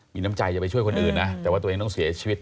มีน้ำใจจะไปช่วยคนอื่นนะแต่ว่าตัวเองต้องเสียชีวิต